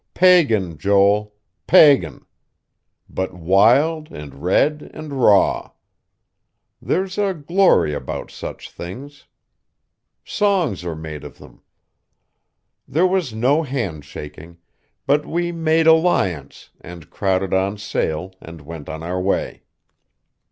Pagan, Joel. Pagan! But wild and red and raw. There's a glory about such things.... Songs are made of them.... There was no handshaking; but we made alliance, and crowded on sail, and went on our way."